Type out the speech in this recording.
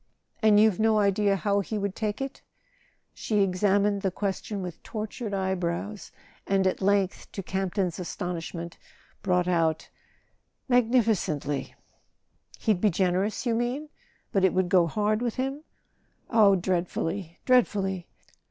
"And you've no idea how he would take it?" She examined the question with tortured eye brows, and at length, to Campton's astonishment, brought out: '' Magnificently "He'd be generous, you mean? But it would go hard with him ?" "Oh, dreadfully, dreadfully!"